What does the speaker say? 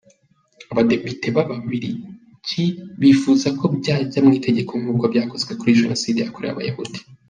Abadepite b’ababiligi bifuza ko byajya mw’itegeko nkuko byakozwe kuri Jenoside yahorewe abayahudi.